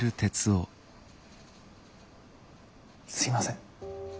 すみません